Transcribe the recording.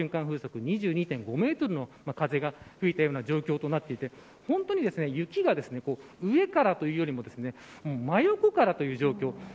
風速２２．５メートルの風が吹いている状況で本当に雪が上からというよりも真横からという状況。